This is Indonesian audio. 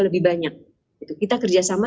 lebih banyak kita kerjasama